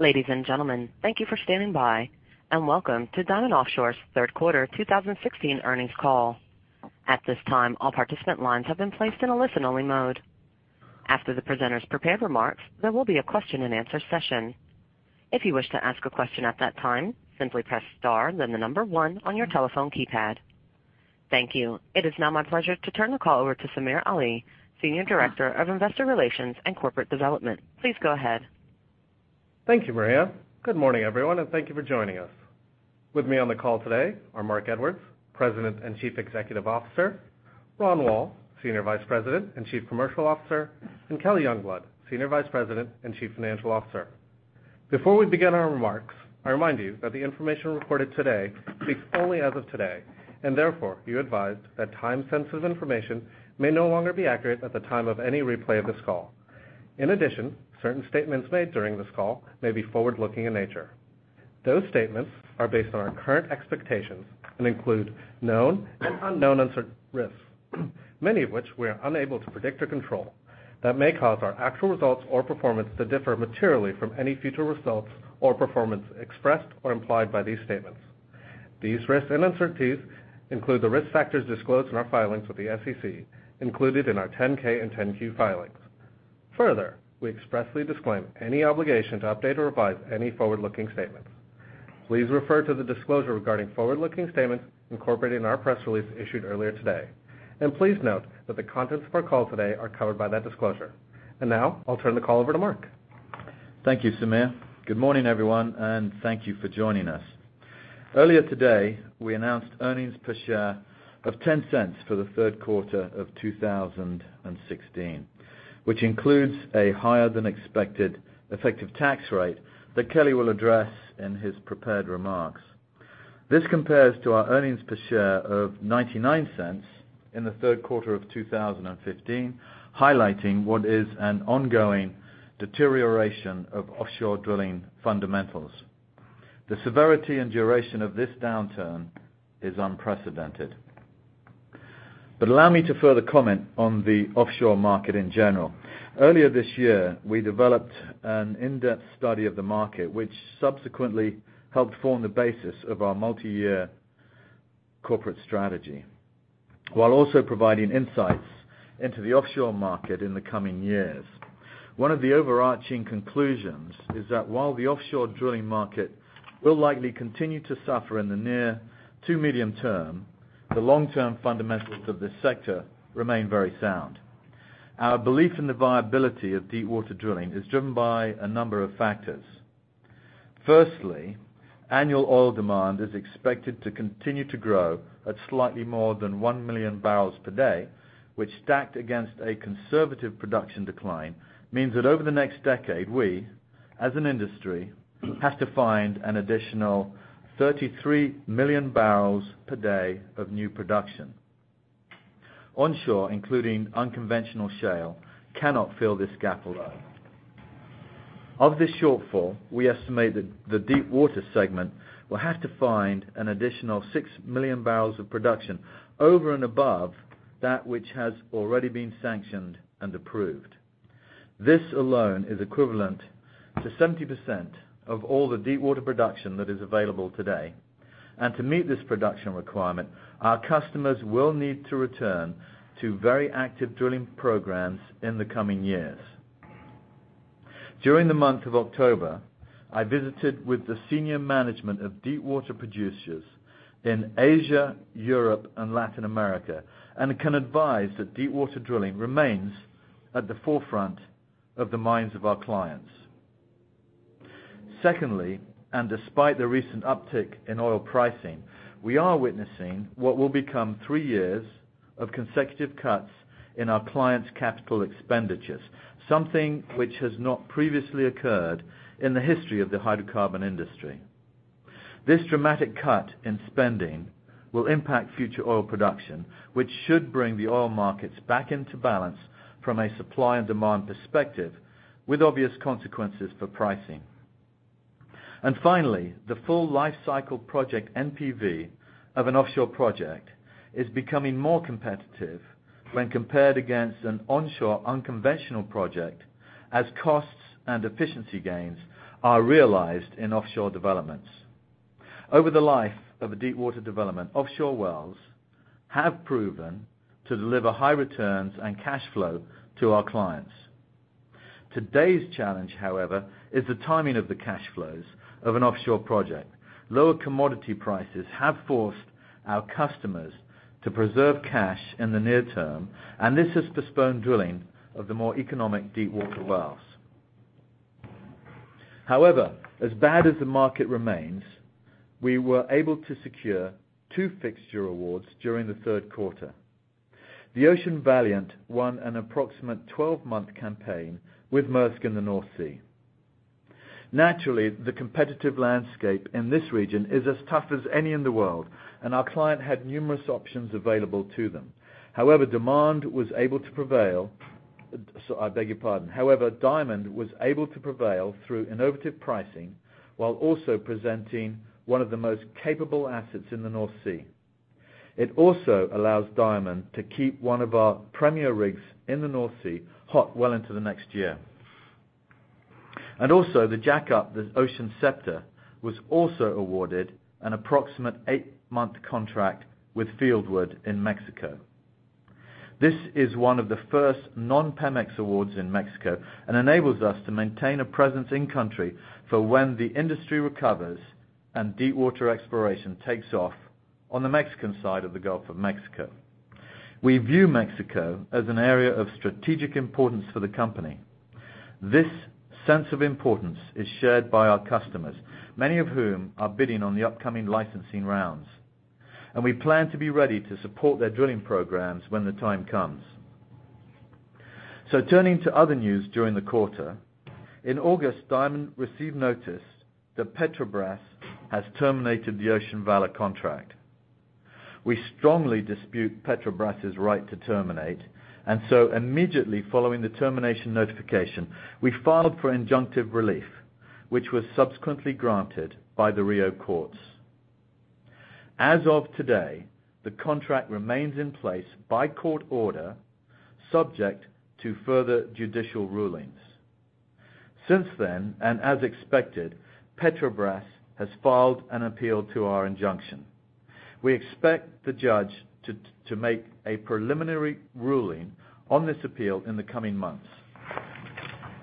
Ladies and gentlemen, thank you for standing by, and welcome to Diamond Offshore's third quarter 2016 earnings call. At this time, all participant lines have been placed in a listen-only mode. After the presenters' prepared remarks, there will be a question and answer session. If you wish to ask a question at that time, simply press star then the number one on your telephone keypad. Thank you. It is now my pleasure to turn the call over to Samir Ali, Senior Director of Investor Relations and Corporate Development. Please go ahead. Thank you, Maria. Good morning, everyone, and thank you for joining us. With me on the call today are Marc Edwards, President and Chief Executive Officer, Ron Woll, Senior Vice President and Chief Commercial Officer, and Kelly Youngblood, Senior Vice President and Chief Financial Officer. Before we begin our remarks, I remind you that the information reported today speaks only as of today. Therefore, you're advised that time-sensitive information may no longer be accurate at the time of any replay of this call. In addition, certain statements made during this call may be forward-looking in nature. Those statements are based on our current expectations and include known and unknown uncertain risks, many of which we are unable to predict or control, that may cause our actual results or performance to differ materially from any future results or performance expressed or implied by these statements. These risks and uncertainties include the risk factors disclosed in our filings with the SEC included in our 10K and 10Q filings. Further, we expressly disclaim any obligation to update or revise any forward-looking statements. Please refer to the disclosure regarding forward-looking statements incorporated in our press release issued earlier today. Please note that the contents of our call today are covered by that disclosure. Now I'll turn the call over to Marc. Thank you, Samir. Good morning, everyone, and thank you for joining us. Earlier today, we announced earnings per share of $0.10 for the third quarter of 2016, which includes a higher-than-expected effective tax rate that Kelly will address in his prepared remarks. This compares to our earnings per share of $0.99 in the third quarter of 2015, highlighting what is an ongoing deterioration of offshore drilling fundamentals. The severity and duration of this downturn is unprecedented. Allow me to further comment on the offshore market in general. Earlier this year, we developed an in-depth study of the market, which subsequently helped form the basis of our multi-year corporate strategy, while also providing insights into the offshore market in the coming years. One of the overarching conclusions is that while the offshore drilling market will likely continue to suffer in the near to medium term, the long-term fundamentals of this sector remain very sound. Our belief in the viability of deepwater drilling is driven by a number of factors. Firstly, annual oil demand is expected to continue to grow at slightly more than 1 million barrels per day, which stacked against a conservative production decline, means that over the next decade, we, as an industry, have to find an additional 33 million barrels per day of new production. Onshore, including unconventional shale, cannot fill this gap alone. Of this shortfall, we estimate that the deepwater segment will have to find an additional 6 million barrels of production over and above that which has already been sanctioned and approved. This alone is equivalent to 70% of all the deepwater production that is available today. To meet this production requirement, our customers will need to return to very active drilling programs in the coming years. During the month of October, I visited with the senior management of deepwater producers in Asia, Europe, and Latin America and can advise that deepwater drilling remains at the forefront of the minds of our clients. Secondly, despite the recent uptick in oil pricing, we are witnessing what will become 3 years of consecutive cuts in our clients' capital expenditures, something which has not previously occurred in the history of the hydrocarbon industry. This dramatic cut in spending will impact future oil production, which should bring the oil markets back into balance from a supply and demand perspective, with obvious consequences for pricing. Finally, the full lifecycle project NPV of an offshore project is becoming more competitive when compared against an onshore unconventional project as costs and efficiency gains are realized in offshore developments. Over the life of a deepwater development, offshore wells have proven to deliver high returns and cash flow to our clients. Today's challenge, however, is the timing of the cash flows of an offshore project. Lower commodity prices have forced our customers to preserve cash in the near term, and this has postponed drilling of the more economic deepwater wells. However, as bad as the market remains, we were able to secure two fixture awards during the third quarter. The Ocean Valiant won an approximate 12-month campaign with Maersk in the North Sea. Naturally, the competitive landscape in this region is as tough as any in the world, and our client had numerous options available to them. However, Diamond was able to prevail through innovative pricing while also presenting one of the most capable assets in the North Sea. It also allows Diamond to keep one of our premier rigs in the North Sea hot well into the next year. Also the jackup, the Ocean Scepter, was also awarded an approximate 8-month contract with Fieldwood in Mexico. This is one of the first non-Pemex awards in Mexico and enables us to maintain a presence in country for when the industry recovers and deepwater exploration takes off on the Mexican side of the Gulf of Mexico. We view Mexico as an area of strategic importance for the company. This sense of importance is shared by our customers, many of whom are bidding on the upcoming licensing rounds. We plan to be ready to support their drilling programs when the time comes. Turning to other news during the quarter. In August, Diamond received notice that Petrobras has terminated the Ocean Valor contract. We strongly dispute Petrobras' right to terminate. Immediately following the termination notification, we filed for injunctive relief, which was subsequently granted by the Rio courts. As of today, the contract remains in place by court order, subject to further judicial rulings. Since then, as expected, Petrobras has filed an appeal to our injunction. We expect the judge to make a preliminary ruling on this appeal in the coming months.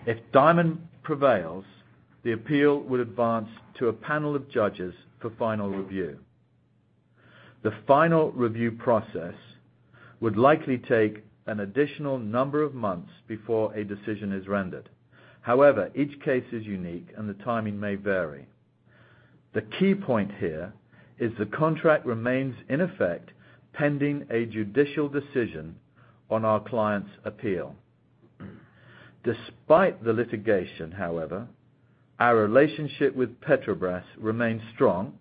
If Diamond prevails, the appeal will advance to a panel of judges for final review. The final review process would likely take an additional number of months before a decision is rendered. However, each case is unique, and the timing may vary. The key point here is the contract remains in effect, pending a judicial decision on our client's appeal. Despite the litigation, however, our relationship with Petrobras remains strong.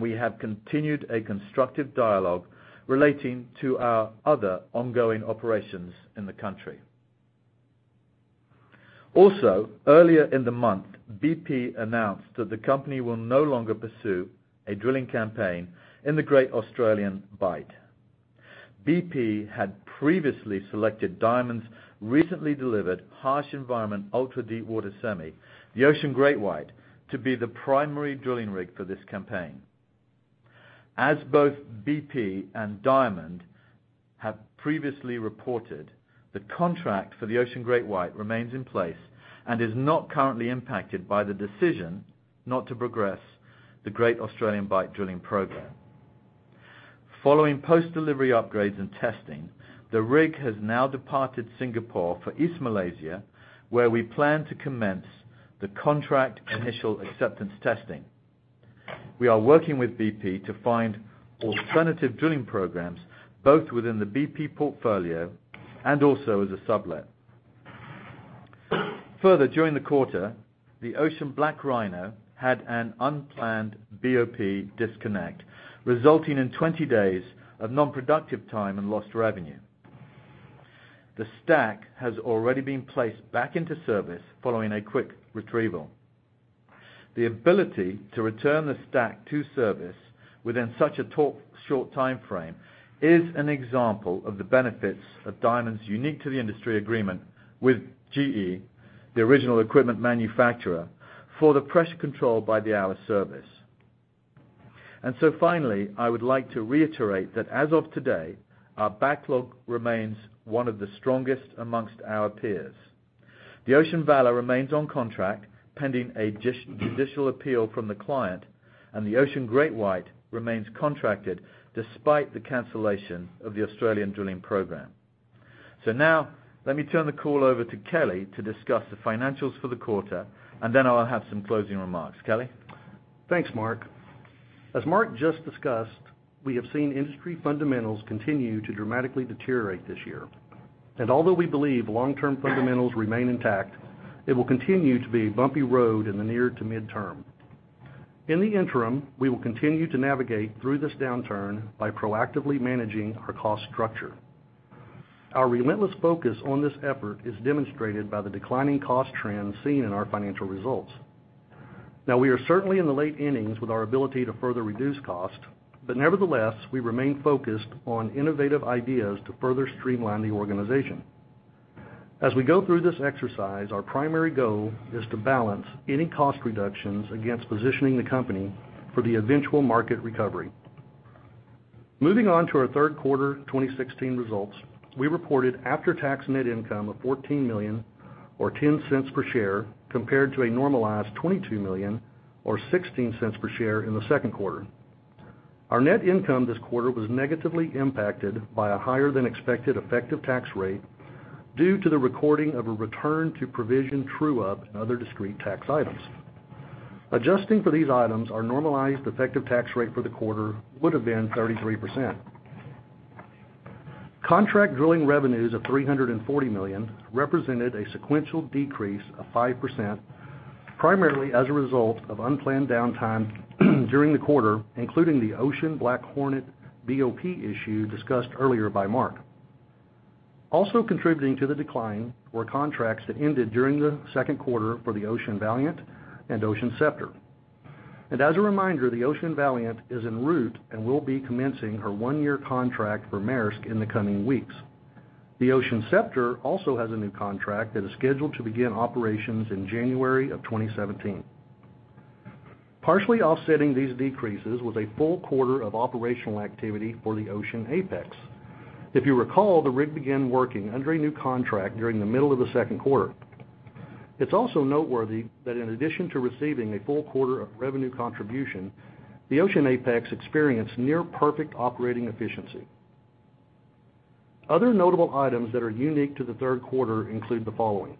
We have continued a constructive dialogue relating to our other ongoing operations in the country. Earlier in the month, BP announced that the company will no longer pursue a drilling campaign in the Great Australian Bight. BP had previously selected Diamond's recently delivered harsh environment, ultra-deepwater semi, the Ocean GreatWhite, to be the primary drilling rig for this campaign. As both BP and Diamond have previously reported, the contract for the Ocean GreatWhite remains in place and is not currently impacted by the decision not to progress the Great Australian Bight drilling program. Following post-delivery upgrades and testing, the rig has now departed Singapore for East Malaysia, where we plan to commence the contract initial acceptance testing. We are working with BP to find alternative drilling programs, both within the BP portfolio and also as a sublet. Further, during the quarter, the Ocean BlackRhino had an unplanned BOP disconnect, resulting in 20 days of non-productive time and lost revenue. The stack has already been placed back into service following a quick retrieval. The ability to return the stack to service within such a short timeframe is an example of the benefits of Diamond's unique-to-the-industry agreement with GE, the original equipment manufacturer, for the Pressure Control by the Hour service. Finally, I would like to reiterate that as of today, our backlog remains one of the strongest amongst our peers. The Ocean Valor remains on contract pending a judicial appeal from the client, and the Ocean GreatWhite remains contracted despite the cancellation of the Australian drilling program. Now, let me turn the call over to Kelly to discuss the financials for the quarter, then I'll have some closing remarks. Kelly? Thanks, Marc. As Marc just discussed, we have seen industry fundamentals continue to dramatically deteriorate this year. Although we believe long-term fundamentals remain intact, it will continue to be a bumpy road in the near to midterm. In the interim, we will continue to navigate through this downturn by proactively managing our cost structure. Our relentless focus on this effort is demonstrated by the declining cost trend seen in our financial results. Now, we are certainly in the late innings with our ability to further reduce costs, but nevertheless, we remain focused on innovative ideas to further streamline the organization. As we go through this exercise, our primary goal is to balance any cost reductions against positioning the company for the eventual market recovery. Moving on to our third quarter 2016 results, we reported after-tax net income of $14 million or $0.10 per share, compared to a normalized $22 million or $0.16 per share in the second quarter. Our net income this quarter was negatively impacted by a higher-than-expected effective tax rate due to the recording of a return to provision true-up and other discrete tax items. Adjusting for these items, our normalized effective tax rate for the quarter would have been 33%. contract drilling revenues of $340 million represented a sequential decrease of 5%, primarily as a result of unplanned downtime during the quarter, including the Ocean BlackHornet BOP issue discussed earlier by Marc. Also contributing to the decline were contracts that ended during the second quarter for the Ocean Valiant and Ocean Scepter. As a reminder, the Ocean Valiant is en route and will be commencing her one-year contract for Maersk in the coming weeks. The Ocean Scepter also has a new contract that is scheduled to begin operations in January of 2017. Partially offsetting these decreases was a full quarter of operational activity for the Ocean Apex. If you recall, the rig began working under a new contract during the middle of the second quarter. It's also noteworthy that in addition to receiving a full quarter of revenue contribution, the Ocean Apex experienced near-perfect operating efficiency. Other notable items that are unique to the third quarter include the following.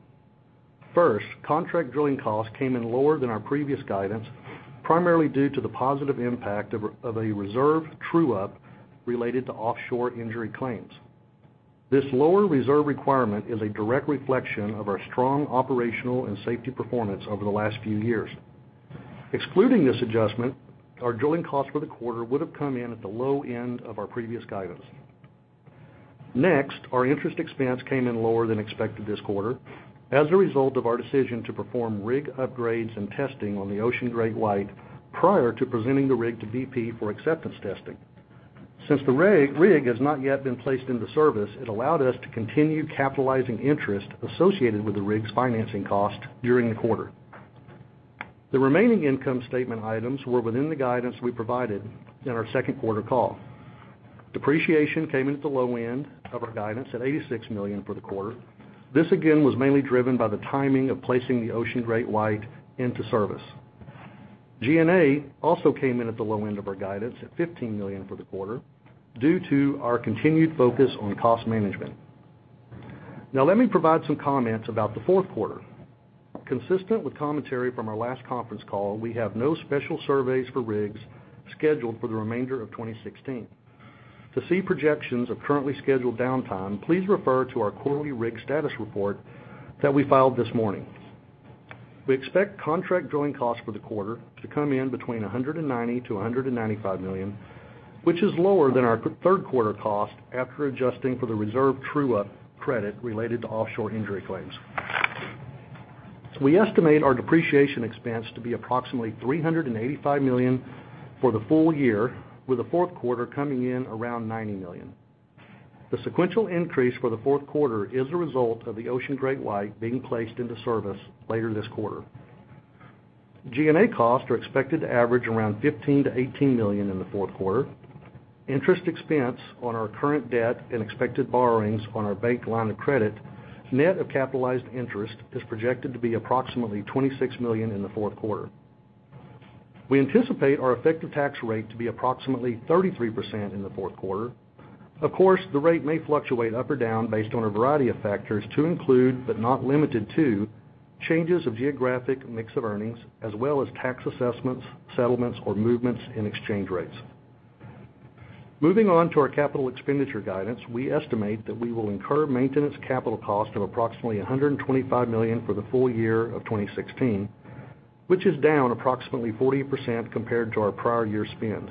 First, contract drilling costs came in lower than our previous guidance, primarily due to the positive impact of a reserve true-up related to offshore injury claims. This lower reserve requirement is a direct reflection of our strong operational and safety performance over the last few years. Excluding this adjustment, our drilling costs for the quarter would have come in at the low end of our previous guidance. Next, our interest expense came in lower than expected this quarter as a result of our decision to perform rig upgrades and testing on the Ocean GreatWhite prior to presenting the rig to BP for acceptance testing. Since the rig has not yet been placed into service, it allowed us to continue capitalizing interest associated with the rig's financing cost during the quarter. The remaining income statement items were within the guidance we provided in our second quarter call. Depreciation came in at the low end of our guidance at $86 million for the quarter. This again was mainly driven by the timing of placing the Ocean GreatWhite into service. G&A also came in at the low end of our guidance at $15 million for the quarter due to our continued focus on cost management. Let me provide some comments about the fourth quarter. Consistent with commentary from our last conference call, we have no special surveys for rigs scheduled for the remainder of 2016. To see projections of currently scheduled downtime, please refer to our quarterly rig status report that we filed this morning. We expect contract drilling costs for the quarter to come in between $190 million-$195 million, which is lower than our third quarter cost after adjusting for the reserve true-up credit related to offshore injury claims. We estimate our depreciation expense to be approximately $385 million for the full year, with the fourth quarter coming in around $90 million. The sequential increase for the fourth quarter is a result of the Ocean GreatWhite being placed into service later this quarter. G&A costs are expected to average around $15 million-$18 million in the fourth quarter. Interest expense on our current debt and expected borrowings on our bank line of credit, net of capitalized interest, is projected to be approximately $26 million in the fourth quarter. We anticipate our effective tax rate to be approximately 33% in the fourth quarter. Of course, the rate may fluctuate up or down based on a variety of factors to include, but not limited to, changes of geographic mix of earnings, as well as tax assessments, settlements, or movements in exchange rates. Moving on to our capital expenditure guidance, we estimate that we will incur maintenance capital cost of approximately $125 million for the full year of 2016, which is down approximately 40% compared to our prior year spend.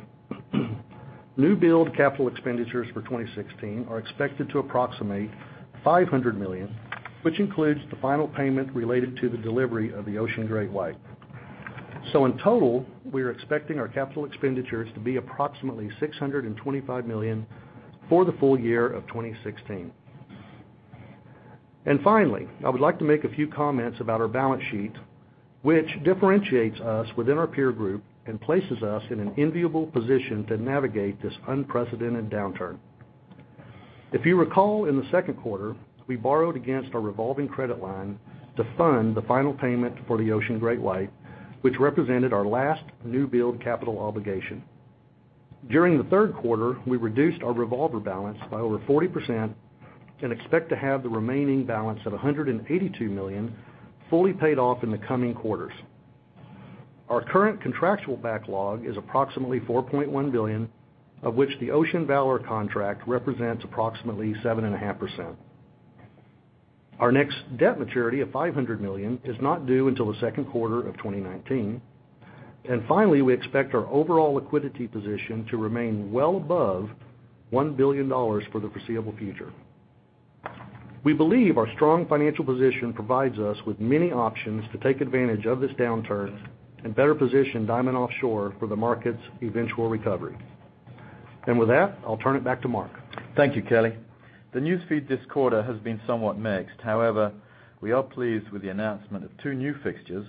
New build capital expenditures for 2016 are expected to approximate $500 million, which includes the final payment related to the delivery of the Ocean GreatWhite. In total, we are expecting our capital expenditures to be approximately $625 million for the full year of 2016. Finally, I would like to make a few comments about our balance sheet, which differentiates us within our peer group and places us in an enviable position to navigate this unprecedented downturn. If you recall, in the second quarter, we borrowed against our revolving credit line to fund the final payment for the Ocean GreatWhite, which represented our last new build capital obligation. During the third quarter, we reduced our revolver balance by over 40% and expect to have the remaining balance of $182 million fully paid off in the coming quarters. Our current contractual backlog is approximately $4.1 billion, of which the Ocean Valor contract represents approximately 7.5%. Our next debt maturity of $500 million is not due until the second quarter of 2019. Finally, we expect our overall liquidity position to remain well above $1 billion for the foreseeable future. We believe our strong financial position provides us with many options to take advantage of this downturn and better position Diamond Offshore for the market's eventual recovery. With that, I'll turn it back to Marc. Thank you, Kelly. The news feed this quarter has been somewhat mixed. We are pleased with the announcement of two new fixtures,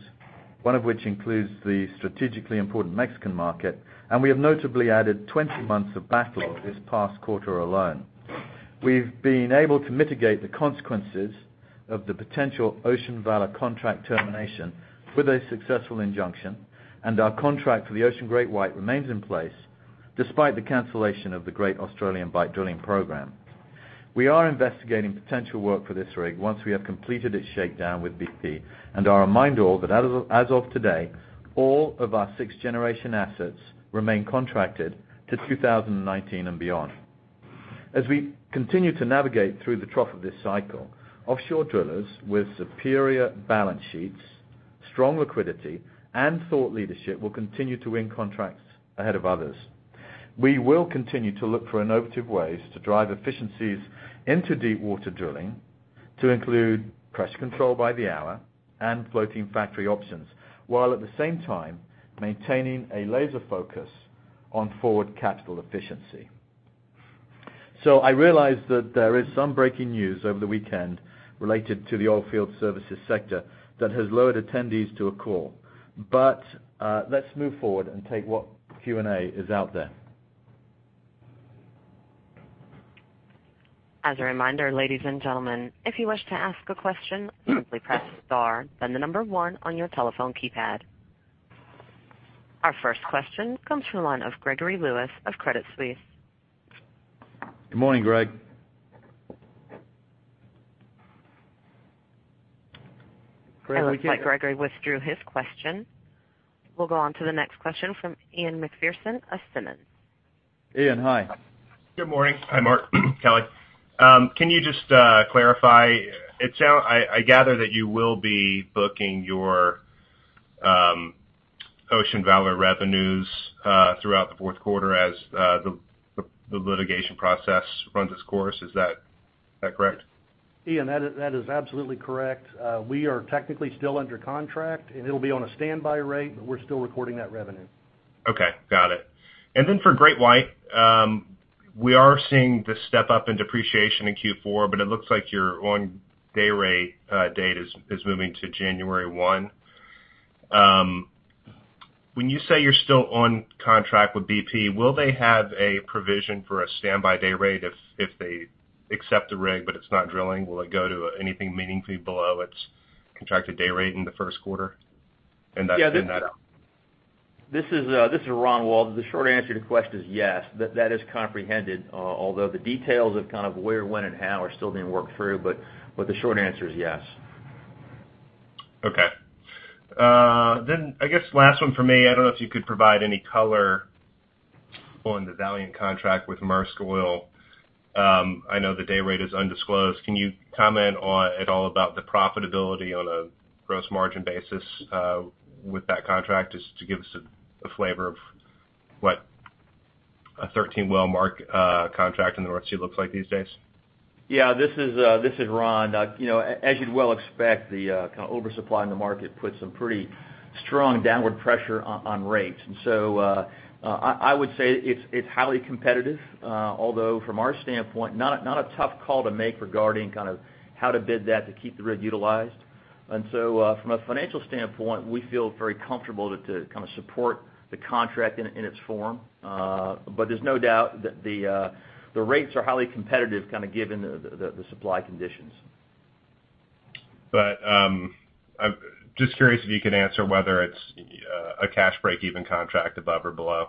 one of which includes the strategically important Mexican market. We have notably added 20 months of backlog this past quarter alone. We've been able to mitigate the consequences of the potential Ocean Valor contract termination with a successful injunction. Our contract for the Ocean GreatWhite remains in place despite the cancellation of the Great Australian Bight drilling program. We are investigating potential work for this rig once we have completed its shakedown with BP. I remind all that as of today, all of our sixth-generation assets remain contracted to 2019 and beyond. As we continue to navigate through the trough of this cycle, offshore drillers with superior balance sheets, strong liquidity, and thought leadership will continue to win contracts ahead of others. We will continue to look for innovative ways to drive efficiencies into deepwater drilling, to include Pressure Control by the Hour and Floating Factory options, while at the same time, maintaining a laser focus on forward capital efficiency. I realize that there is some breaking news over the weekend related to the oilfield services sector that has lured attendees to a call. Let's move forward and take what Q&A is out there. As a reminder, ladies and gentlemen, if you wish to ask a question, simply press star, the number one on your telephone keypad. Our first question comes from the line of Gregory Lewis of Credit Suisse. Good morning, Greg. It looks like Gregory withdrew his question. We'll go on to the next question from Ian Macpherson of Simmons. Ian, hi. Good morning. Hi, Marc, Kelly. Can you just clarify? I gather that you will be booking your Ocean Valor revenues throughout the fourth quarter as the litigation process runs its course. Is that correct? Ian, that is absolutely correct. We are technically still under contract, and it'll be on a standby rate, but we're still recording that revenue. Okay. Got it. For Ocean GreatWhite, we are seeing the step-up in depreciation in Q4, but it looks like your on-day rate date is moving to January 1. When you say you're still on contract with BP, will they have a provision for a standby day rate if they accept the rig but it's not drilling? Will it go to anything meaningfully below its contracted day rate in the first quarter? This is Ron Woll. The short answer to the question is yes. That is comprehended, although the details of kind of where, when, and how are still being worked through. The short answer is yes. Okay. I guess last one from me. I don't know if you could provide any color on the Ocean Valiant contract with Maersk Oil. I know the day rate is undisclosed. Can you comment at all about the profitability on a gross margin basis with that contract, just to give us a flavor of what a 13 well Maersk contract in the North Sea looks like these days? This is Ron. As you'd well expect, the oversupply in the market puts some pretty strong downward pressure on rates. I would say it's highly competitive. Although from our standpoint, not a tough call to make regarding how to bid that to keep the rig utilized. From a financial standpoint, we feel very comfortable to support the contract in its form. There's no doubt that the rates are highly competitive, given the supply conditions. I'm just curious if you could answer whether it's a cash break-even contract above or below.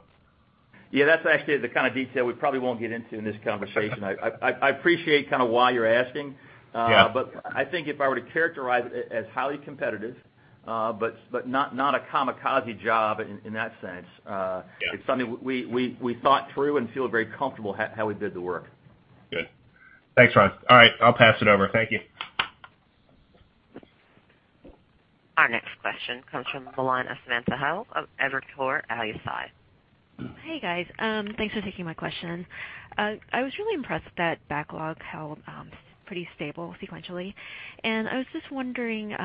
That's actually the kind of detail we probably won't get into in this conversation. I appreciate why you're asking. Yeah I think if I were to characterize it as highly competitive, but not a kamikaze job in that sense. Yeah. It's something we thought through and feel very comfortable how we bid the work. Good. Thanks, Ron. All right, I'll pass it over. Thank you. Our next question comes from the line of Samantha Hoh of Evercore ISI. Hey, guys. Thanks for taking my question. I was really impressed that backlog held pretty stable sequentially. I was just wondering,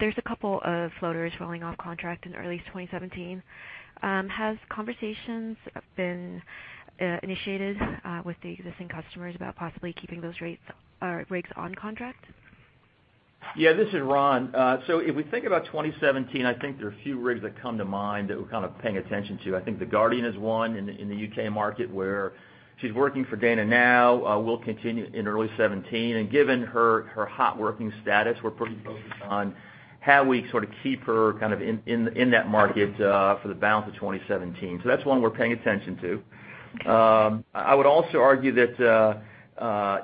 there's a couple of floaters rolling off contract in early 2017. Has conversations been initiated with the existing customers about possibly keeping those rigs on contract? Yeah, this is Ron. If we think about 2017, I think there are a few rigs that come to mind that we're kind of paying attention to. I think the Ocean Guardian is one in the U.K. market where she's working for Dana Petroleum now, will continue in early 2017. Given her hot working status, we're pretty focused on how we sort of keep her in that market for the balance of 2017. That's one we're paying attention to. I would also argue that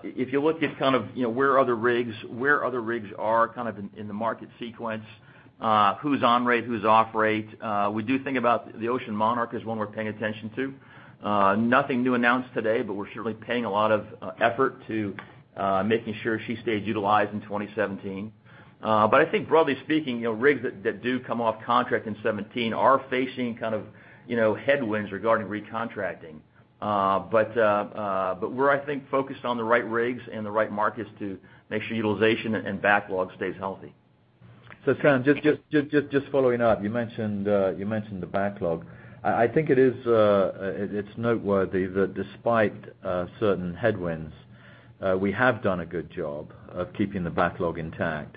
if you look at where other rigs are in the market sequence, who's on rate, who's off rate, we do think about the Ocean Monarch is one we're paying attention to. Nothing new announced today, but we're certainly paying a lot of effort to making sure she stays utilized in 2017. I think broadly speaking, rigs that do come off contract in 2017 are facing headwinds regarding recontracting. We're, I think, focused on the right rigs and the right markets to make sure utilization and backlog stays healthy. Sam, just following up, you mentioned the backlog. I think it's noteworthy that despite certain headwinds, we have done a good job of keeping the backlog intact.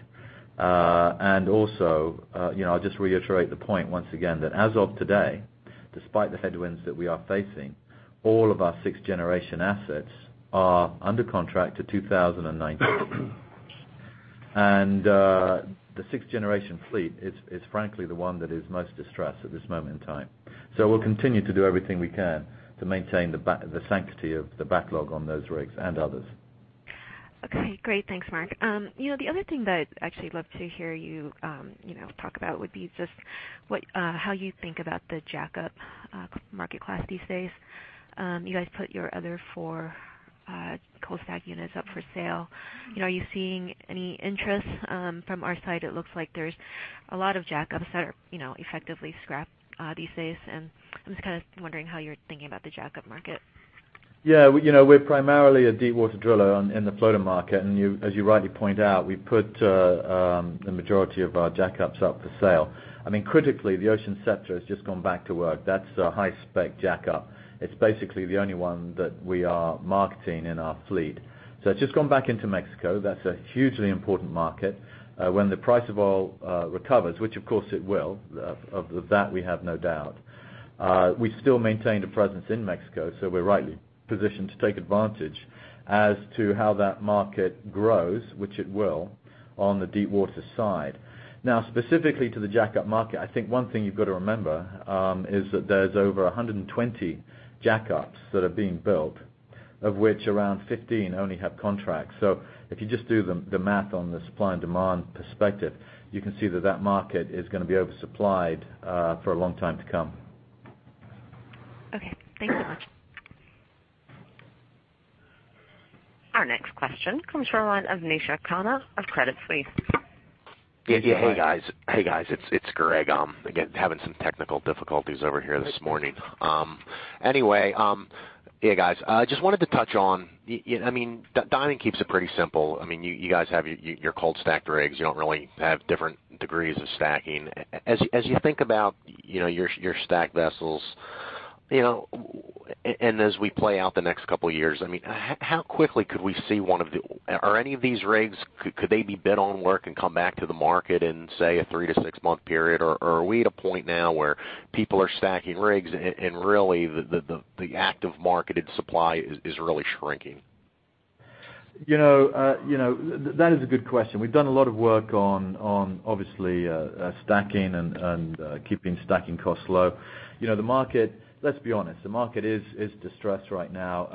Also, I'll just reiterate the point once again that as of today, despite the headwinds that we are facing, all of our 6th-generation assets are under contract to 2019. The 6th-generation fleet is frankly the one that is most distressed at this moment in time. We'll continue to do everything we can to maintain the sanctity of the backlog on those rigs and others. Okay. Great. Thanks, Marc. The other thing that I'd actually love to hear you talk about would be just how you think about the jackup market class these days. You guys put your other four cold stack units up for sale. Are you seeing any interest? From our side, it looks like there's a lot of jackups are effectively scrapped these days. I'm just kind of wondering how you're thinking about the jackup market. Yeah. We're primarily a deepwater driller in the floater market. As you rightly point out, we put the majority of our jackups up for sale. Critically, the Ocean Scepter has just gone back to work. That's a high-spec jackup. It's basically the only one that we are marketing in our fleet. It's just gone back into Mexico. That's a hugely important market. When the price of oil recovers, which of course it will, of that, we have no doubt. We still maintain a presence in Mexico, so we're rightly positioned to take advantage as to how that market grows, which it will, on the deepwater side. Now, specifically to the jackup market, I think one thing you've got to remember is that there's over 120 jackups that are being built, of which around 15 only have contracts. If you just do the math on the supply and demand perspective, you can see that that market is going to be oversupplied for a long time to come. Okay. Thank you so much. Our next question comes from the line of Nisha Khanna of Credit Suisse. Yeah. Hey, guys. It's Greg. Again, having some technical difficulties over here this morning. Anyway, yeah, guys. Just wanted to touch on, Diamond keeps it pretty simple. You guys have your cold stacked rigs. You don't really have different degrees of stacking. As you think about your stacked vessels, and as we play out the next couple of years, how quickly could we see any of these rigs, could they be bid on work and come back to the market in, say, a three to six-month period? Are we at a point now where people are stacking rigs and really the active marketed supply is really shrinking? That is a good question. We've done a lot of work on, obviously, stacking and keeping stacking costs low. Let's be honest, the market is distressed right now.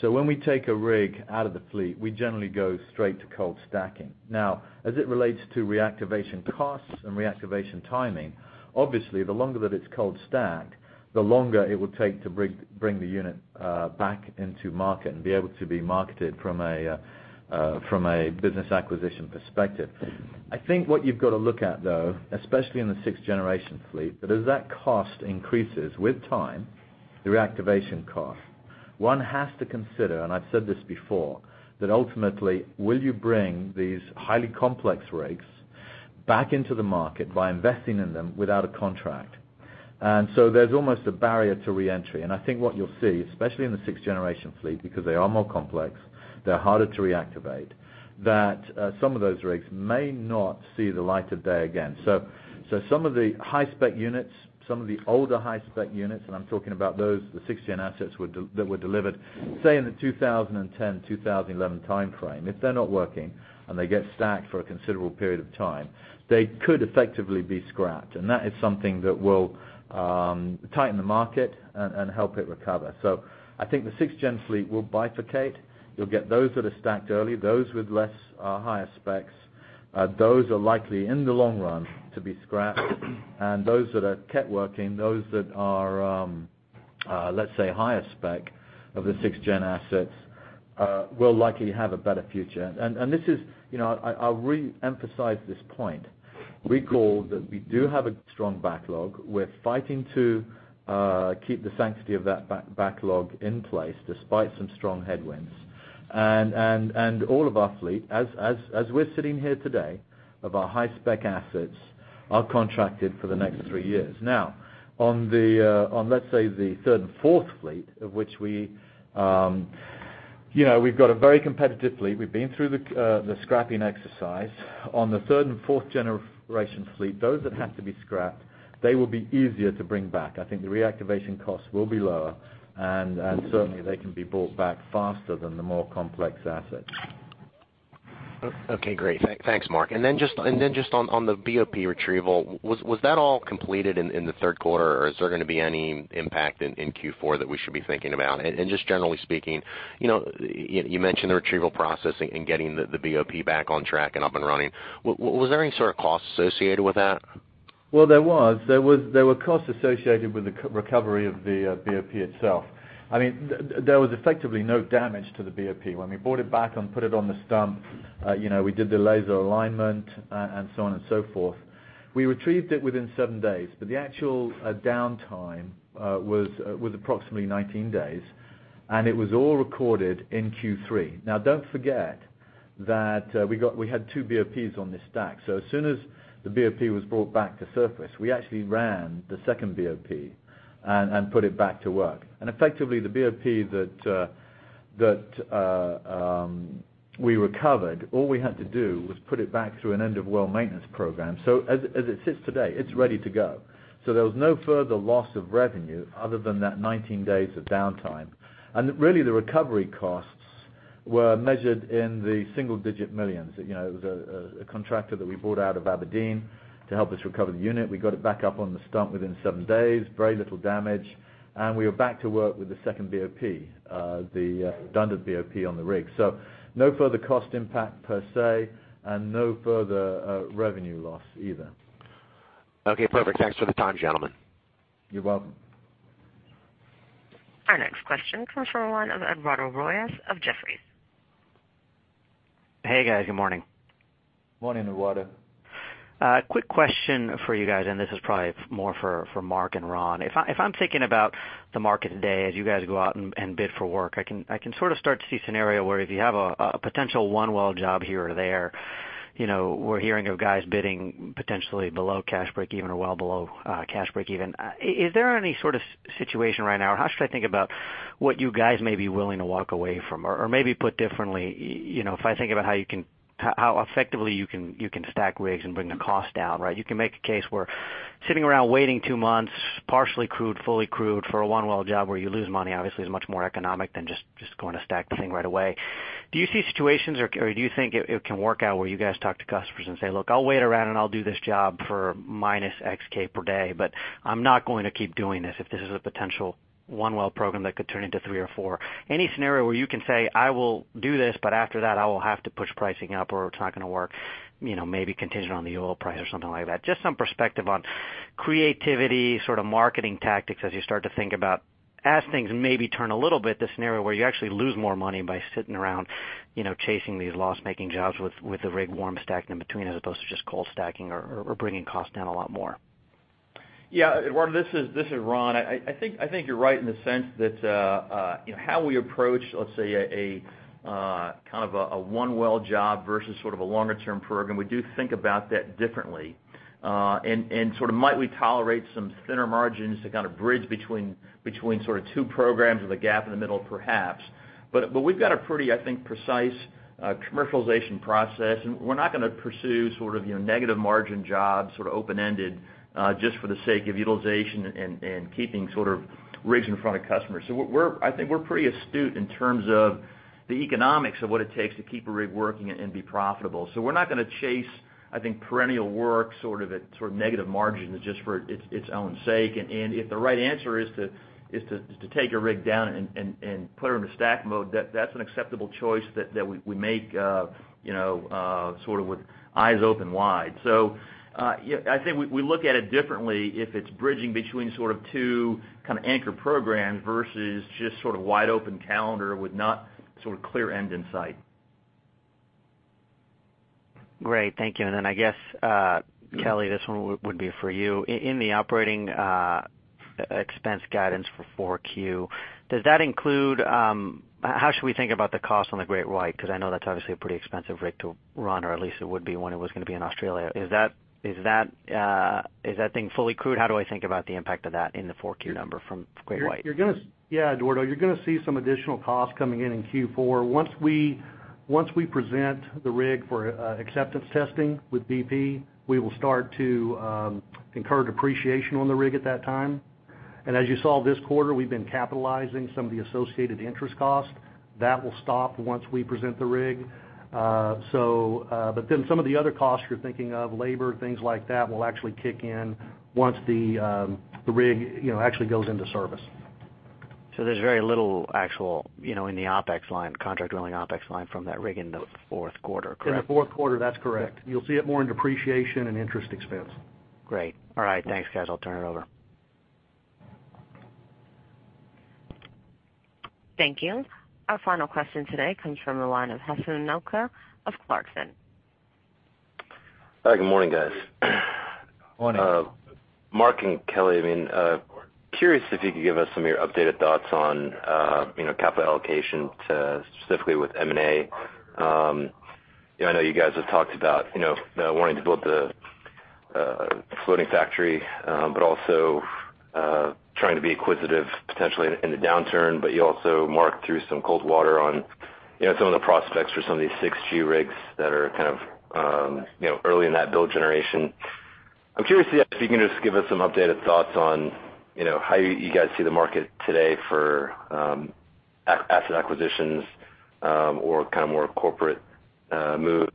When we take a rig out of the fleet, we generally go straight to cold stacking. Now, as it relates to reactivation costs and reactivation timing, obviously, the longer that it's cold stacked, the longer it will take to bring the unit back into market and be able to be marketed from a business acquisition perspective. I think what you've got to look at, though, especially in the 6th-generation fleet, that as that cost increases with time, the reactivation cost, one has to consider, and I've said this before, that ultimately, will you bring these highly complex rigs back into the market by investing in them without a contract? There's almost a barrier to re-entry. I think what you'll see, especially in the 6th-generation fleet, because they are more complex, they're harder to reactivate, that some of those rigs may not see the light of day again. Some of the high-spec units, some of the older high-spec units, and I'm talking about those, the 6th-gen assets that were delivered, say, in the 2010, 2011 timeframe. If they're not working and they get stacked for a considerable period of time, they could effectively be scrapped. That is something that will tighten the market and help it recover. I think the 6th-gen fleet will bifurcate. You'll get those that are stacked early, those with less higher specs. Those are likely, in the long run, to be scrapped. Those that are kept working, those that are, let's say, higher spec of the 6th-gen assets, will likely have a better future. I'll re-emphasize this point. Recall that we do have a strong backlog. We're fighting to keep the sanctity of that backlog in place despite some strong headwinds. All of our fleet, as we're sitting here today, of our high-spec assets, are contracted for the next three years. Now on, let's say, the third and fourth fleet of which we've got a very competitive fleet. We've been through the scrapping exercise. On the 3rd and 4th-generation fleet, those that had to be scrapped, they will be easier to bring back. The reactivation costs will be lower, and certainly, they can be brought back faster than the more complex assets. Okay, great. Thanks, Marc. Just on the BOP retrieval, was that all completed in the third quarter, or is there going to be any impact in Q4 that we should be thinking about? Just generally speaking, you mentioned the retrieval process and getting the BOP back on track and up and running. Was there any sort of cost associated with that? There was. There were costs associated with the recovery of the BOP itself. There was effectively no damage to the BOP. When we brought it back and put it on the stump, we did the laser alignment, and so on and so forth. We retrieved it within seven days, but the actual downtime was approximately 19 days, and it was all recorded in Q3. Don't forget that we had two BOPs on this stack. As soon as the BOP was brought back to surface, we actually ran the second BOP and put it back to work. Effectively, the BOP that we recovered, all we had to do was put it back through an end of well maintenance program. As it sits today, it's ready to go. There was no further loss of revenue other than that 19 days of downtime. Really, the recovery costs were measured in the single-digit millions. It was a contractor that we brought out of Aberdeen to help us recover the unit. We got it back up on the stump within seven days, very little damage, and we are back to work with the second BOP, the redundant BOP on the rig. No further cost impact per se and no further revenue loss either. Okay, perfect. Thanks for the time, gentlemen. You're welcome. This question comes from the line of Eduardo Royes of Jefferies. Hey, guys. Good morning. Morning, Eduardo. Quick question for you guys. This is probably more for Marc and Ron. If I'm thinking about the market today as you guys go out and bid for work, I can sort of start to see a scenario where if you have a potential one-well job here or there. We're hearing of guys bidding potentially below cash break even or well below cash break even. Is there any sort of situation right now, or how should I think about what you guys may be willing to walk away from? Or maybe put differently, if I think about how effectively you can stack rigs and bring the cost down. You can make a case where sitting around waiting 2 months, partially crewed, fully crewed for a one-well job where you lose money obviously is much more economic than just going to stack the thing right away. Do you see situations or do you think it can work out where you guys talk to customers and say, "Look, I'll wait around and I'll do this job for minus $X per day, but I'm not going to keep doing this if this is a potential one-well program that could turn into three or four." Any scenario where you can say, I will do this, but after that, I will have to push pricing up or it's not going to work, maybe contingent on the oil price or something like that. Just some perspective on creativity, sort of marketing tactics as you start to think about as things maybe turn a little bit, the scenario where you actually lose more money by sitting around chasing these loss-making jobs with the rig warm stacked in between as opposed to just cold stacking or bringing costs down a lot more. Eduardo, this is Ron. I think you're right in the sense that how we approach, let's say, a kind of a one-well job versus sort of a longer-term program, we do think about that differently. Might we tolerate some thinner margins to kind of bridge between sort of two programs with a gap in the middle, perhaps. We've got a pretty, I think, precise commercialization process, and we're not going to pursue sort of negative margin jobs, sort of open-ended, just for the sake of utilization and keeping sort of rigs in front of customers. I think we're pretty astute in terms of the economics of what it takes to keep a rig working and be profitable. We're not going to chase, I think, perennial work sort of at sort of negative margins just for its own sake. If the right answer is to take a rig down and put it into stack mode, that's an acceptable choice that we make sort of with eyes open wide. I think we look at it differently if it's bridging between sort of two kind of anchor programs versus just sort of wide-open calendar with not sort of clear end in sight. Great. Thank you. I guess, Kelly, this one would be for you. In the operating expense guidance for 4Q, how should we think about the cost on the GreatWhite? Because I know that's obviously a pretty expensive rig to run, or at least it would be when it was going to be in Australia. Is that thing fully crewed? How do I think about the impact of that in the 4Q number from GreatWhite? Yeah, Eduardo, you're going to see some additional costs coming in in Q4. Once we present the rig for acceptance testing with BP, we will start to incur depreciation on the rig at that time. As you saw this quarter, we've been capitalizing some of the associated interest costs. That will stop once we present the rig. Some of the other costs you're thinking of, labor, things like that, will actually kick in once the rig actually goes into service. There's very little actual in the contract drilling OpEx line from that rig in the fourth quarter, correct? In the fourth quarter, that's correct. You'll see it more in depreciation and interest expense. Great. All right. Thanks, guys. I'll turn it over. Thank you. Our final question today comes from the line of Hassen Melka of Clarksons. Good morning, guys. Morning. Marc and Kelly, curious if you could give us some of your updated thoughts on capital allocation to specifically with M&A. I know you guys have talked about wanting to build the Floating Factory, also trying to be acquisitive potentially in the downturn, you also marked through some cold water on some of the prospects for some of these 6G rigs that are kind of early in that build generation. I'm curious if you can just give us some updated thoughts on how you guys see the market today for asset acquisitions or kind of more corporate moves.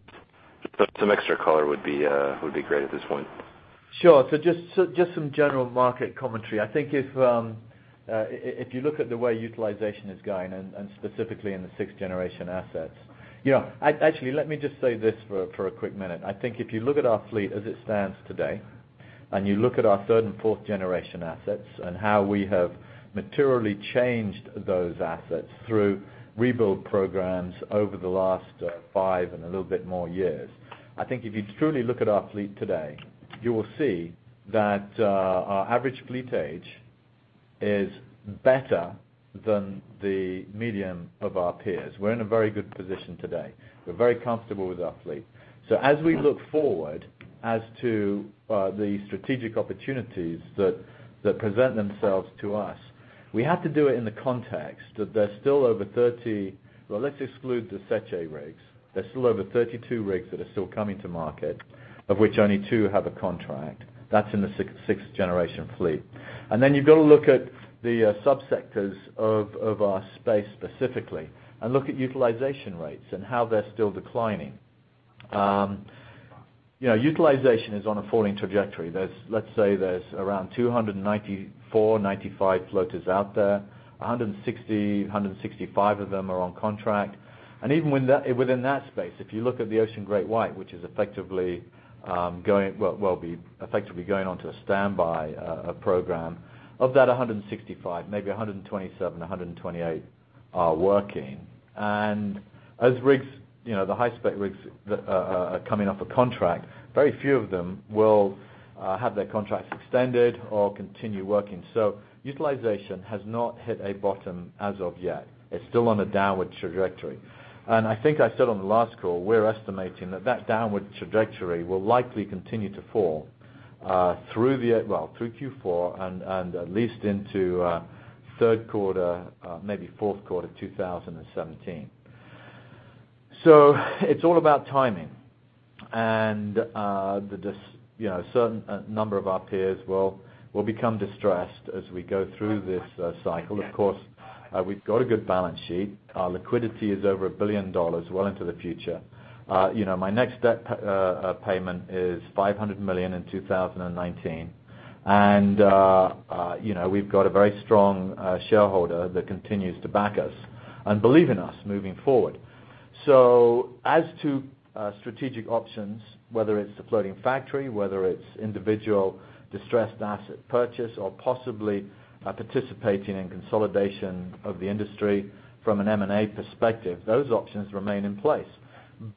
Some extra color would be great at this point. Sure. Just some general market commentary. I think if you look at the way utilization is going, specifically in the sixth-generation assets. Let me just say this for a quick minute. I think if you look at our fleet as it stands today, you look at our third and fourth generation assets and how we have materially changed those assets through rebuild programs over the last five and a little bit more years, I think if you truly look at our fleet today, you will see that our average fleet age is better than the median of our peers. We're in a very good position today. We're very comfortable with our fleet. As we look forward as to the strategic opportunities that present themselves to us, we have to do it in the context that there's still over Well, let's exclude the Sete rigs. There's still over 32 rigs that are still coming to market, of which only two have a contract. That's in the sixth-generation fleet. Then you've got to look at the sub-sectors of our space specifically and look at utilization rates and how they're still declining. Utilization is on a falling trajectory. Let's say there's around 294, 295 floaters out there, 160, 165 of them are on contract. Even within that space, if you look at the Ocean GreatWhite, which is effectively effectively going onto a standby program. Of that 165, maybe 127, 128 are working. As the high-spec rigs are coming off a contract, very few of them will have their contracts extended or continue working. Utilization has not hit a bottom as of yet. It's still on a downward trajectory. I think I said on the last call, we're estimating that downward trajectory will likely continue to fall through Q4 and at least into third quarter, maybe fourth quarter 2017. It's all about timing. A certain number of our peers will become distressed as we go through this cycle. Of course, we've got a good balance sheet. Our liquidity is over $1 billion well into the future. My next debt payment is $500 million in 2019. We've got a very strong shareholder that continues to back us and believe in us moving forward. As to strategic options, whether it's the Floating Factory, whether it's individual distressed asset purchase, or possibly participating in consolidation of the industry from an M&A perspective, those options remain in place.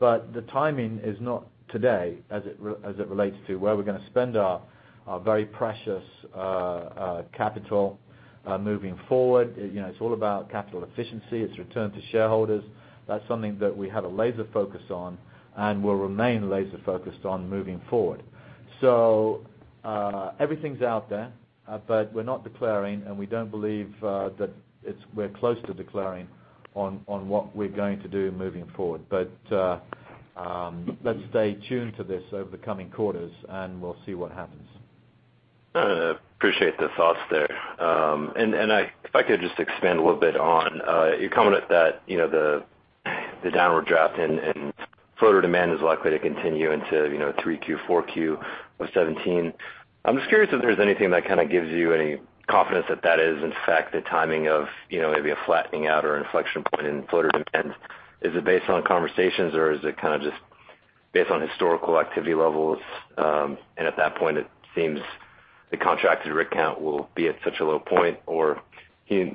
The timing is not today as it relates to where we're going to spend our very precious capital moving forward. It's all about capital efficiency. It's return to shareholders. That's something that we have a laser focus on and will remain laser focused on moving forward. Everything's out there, but we're not declaring, and we don't believe that we're close to declaring on what we're going to do moving forward. Let's stay tuned to this over the coming quarters, and we'll see what happens. Appreciate the thoughts there. If I could just expand a little bit on your comment that the downward draft in floater demand is likely to continue into 3Q, 4Q of '17. I'm just curious if there's anything that kind of gives you any confidence that is in fact the timing of maybe a flattening out or inflection point in floater demand. Is it based on conversations or is it kind of just based on historical activity levels? At that point it seems the contracted rig count will be at such a low point, or is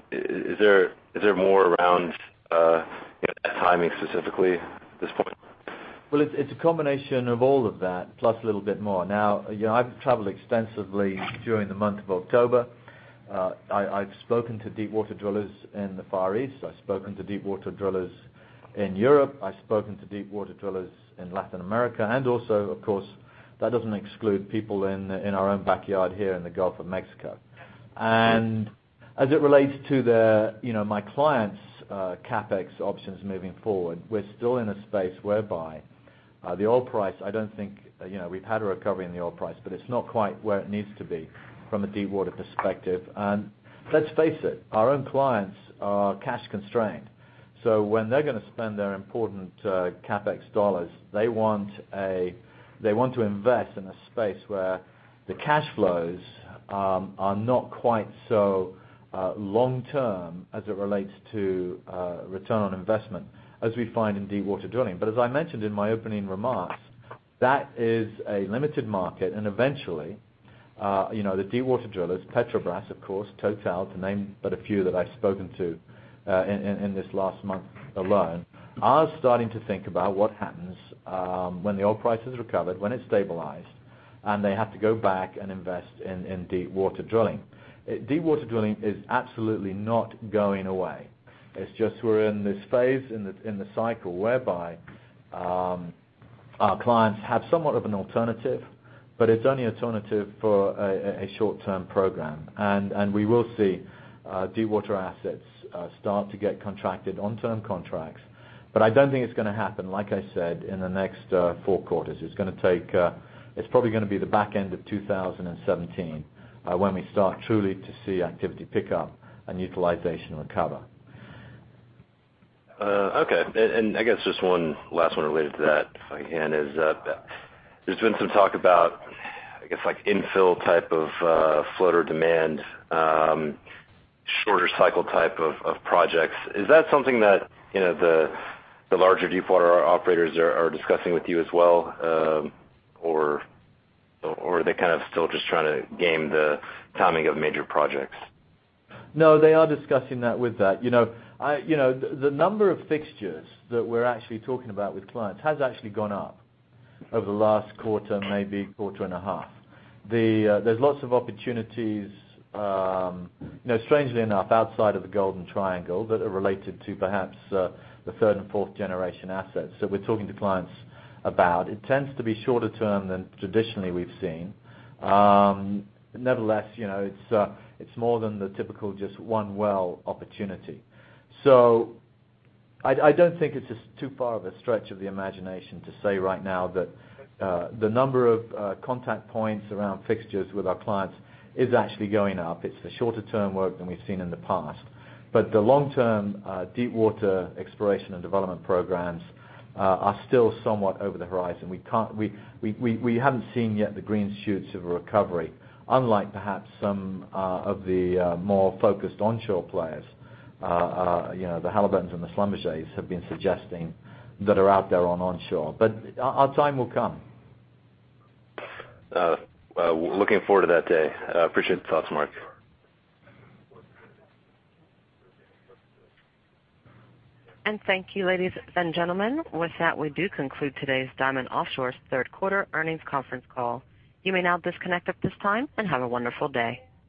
there more around that timing specifically at this point? Well, it's a combination of all of that, plus a little bit more. Now, I've traveled extensively during the month of October. I've spoken to deepwater drillers in the Far East. I've spoken to deepwater drillers in Europe. I've spoken to deepwater drillers in Latin America, and also, of course, that doesn't exclude people in our own backyard here in the Gulf of Mexico. As it relates to my clients' CapEx options moving forward, we're still in a space whereby the oil price, we've had a recovery in the oil price, but it's not quite where it needs to be from a deepwater perspective. Let's face it, our own clients are cash constrained. When they're going to spend their important CapEx dollars, they want to invest in a space where the cash flows are not quite so long-term as it relates to return on investment as we find in deepwater drilling. As I mentioned in my opening remarks, that is a limited market, and eventually the deepwater drillers, Petrobras of course, Total, to name but a few that I've spoken to in this last month alone, are starting to think about what happens when the oil price has recovered, when it's stabilized, and they have to go back and invest in deepwater drilling. Deepwater drilling is absolutely not going away. It's just we're in this phase in the cycle whereby our clients have somewhat of an alternative, but it's only alternative for a short-term program. We will see deepwater assets start to get contracted on term contracts. I don't think it's going to happen, like I said, in the next four quarters. It's probably going to be the back end of 2017, when we start truly to see activity pick up and utilization recover. Okay. I guess just one last one related to that, if I can, is there's been some talk about, I guess, like infill type of floater demand, shorter cycle type of projects. Is that something that the larger deepwater operators are discussing with you as well? Are they kind of still just trying to game the timing of major projects? No, they are discussing that with that. The number of fixtures that we're actually talking about with clients has actually gone up over the last quarter, maybe quarter and a half. There's lots of opportunities strangely enough outside of the Golden Triangle that are related to perhaps the 3rd and 4th generation assets that we're talking to clients about. It tends to be shorter term than traditionally we've seen. Nevertheless, it's more than the typical just one well opportunity. I don't think it's too far of a stretch of the imagination to say right now that the number of contact points around fixtures with our clients is actually going up. It's the shorter term work than we've seen in the past. The long-term deepwater exploration and development programs are still somewhat over the horizon. We haven't seen yet the green shoots of a recovery, unlike perhaps some of the more focused onshore players. The Halliburton and the Schlumberger have been suggesting that are out there on onshore. Our time will come. Looking forward to that day. Appreciate the thoughts, Marc. Thank you, ladies and gentlemen. With that, we do conclude today's Diamond Offshore's third quarter earnings conference call. You may now disconnect at this time, and have a wonderful day.